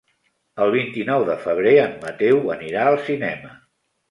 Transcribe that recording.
El vint-i-nou de febrer en Mateu anirà al cinema.